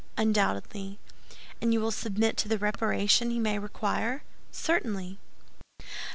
"Undoubtedly." "And you will submit to the reparation he may require?" "Certainly."